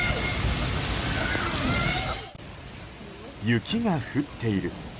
雪が降っている。